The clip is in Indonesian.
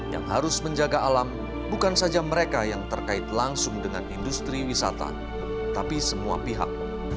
yang harus menjaga alam bukan saja mereka yang terkait langsung dengan industri wisata tapi semua pihak